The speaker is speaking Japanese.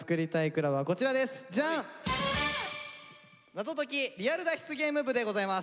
「謎解き・リアル脱出ゲーム部」でございます。